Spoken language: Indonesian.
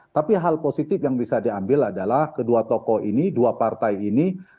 tapi hal positif yang bisa diambil adalah kedua tokoh ini dua partai ini